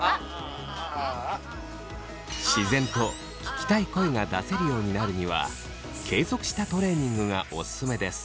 自然と聞きたい声が出せるようになるには継続したトレーニングがオススメです。